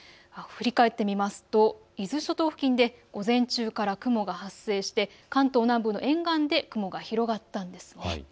振り返ってみますと伊豆諸島付近で午前中から雲が発生していて関東南部の沿岸で雲が広がったんです。